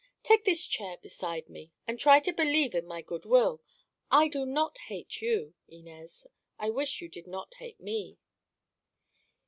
Take this chair beside me, and try to believe in my good will. I do not hate you, Inez. I wish you did not hate me."